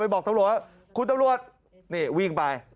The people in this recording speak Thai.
บอกตำรวจว่าคุณตำรวจนี่วิ่งไป